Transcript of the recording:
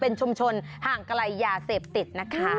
เป็นชุมชนห่างไกลยาเสพติดนะคะ